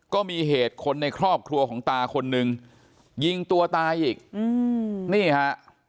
ก็มีเหตุคนในครอบครัวของตาคนนึงยิงตัวตายอีกอืมนี่ฮะ